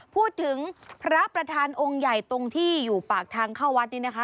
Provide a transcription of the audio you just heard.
พูดถึงพระประธานองค์ใหญ่ตรงที่อยู่ปากทางเข้าวัดนี้นะคะ